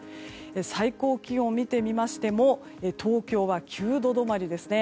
最高気温を見てみましても東京は９度止まりですね。